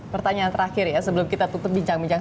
pertanyaan terakhir ya sebelum kita tutup bincang bincang